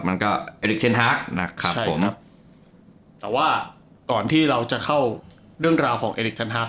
มันก็นะครับครับแต่ว่าก่อนที่เราจะเข้าเรื่องราวของซึ่งครับ